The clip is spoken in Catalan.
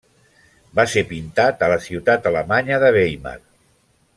Va ser pintat a la ciutat alemanya de Weimar.